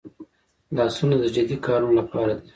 لاسونه د جدي کارونو لپاره دي